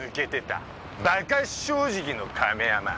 バカ正直の亀山ァ！